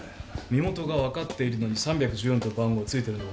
身元が分かっているのに３１４という番号付いているのはおかしい。